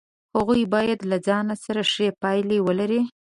هغوی باید له ځان سره ښې پایلې ولري.